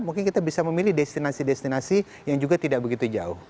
mungkin kita bisa memilih destinasi destinasi yang juga tidak begitu jauh